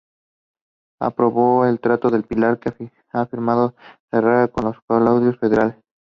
Aprobó el Tratado del Pilar que había firmado Sarratea con los caudillos federales.